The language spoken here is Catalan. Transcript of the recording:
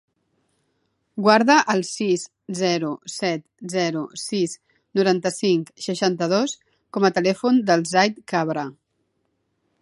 Guarda el sis, zero, set, zero, sis, noranta-cinc, seixanta-dos com a telèfon del Zaid Cabra.